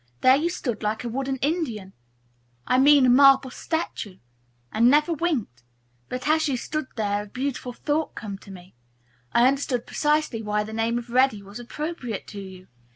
There you stood, like a wooden Indian, I mean a marble statue, and never winked. But as you stood there a beautiful thought came to me. I understood precisely why the name of 'Reddy' was appropriate to you.